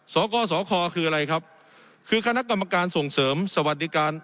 สกสคคืออะไรครับคือคณะกรรมการส่งเสริมสวัสดิการ